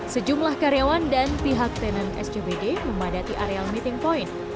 sejumlah karyawan dan pihak tenan scbd memadati areal meeting point